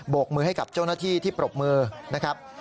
กมือให้กับเจ้าหน้าที่ที่ปรบมือนะครับ